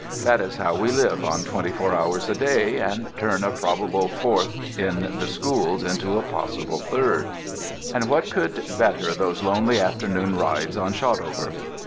That is how we live on twenty four hours a day, and turn a probable Fourth in the Schools into a possible Third. And what could better those lonely afternoon rides on Shotover?